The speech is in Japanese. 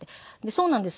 「そうなんです。